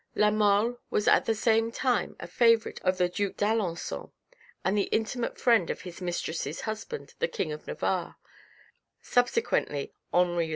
La Mole was at the same time a favourite of the Duke d'Alencon and the intimate friend of his mistress's husband, the King of Navarre, subsequently Henri IV.